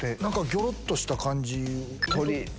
ギョロっとした感じ。